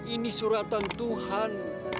ini suratan tuhan